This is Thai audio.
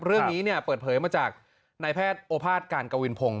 เรื่องนี้เปิดเผยมาจากนายแพทย์โอภาษการกวินพงศ